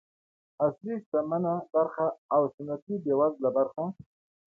عصري شتمنه برخه او سنتي بېوزله برخه.